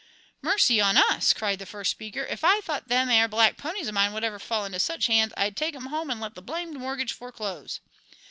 "Mercy on us!" cried the first speaker, "if I thought them 'ere black ponies of mine would ever fall into such hands, I'd take 'em home 'nd let the blamed mortgage foreclose."